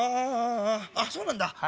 あそうなんだ。